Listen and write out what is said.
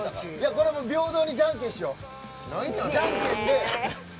これ平等にじゃんけんしよう。